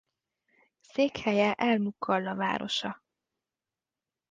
Székhelye el-Mukalla városa.